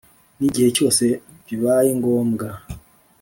n igihe cyose bibaye ngombwa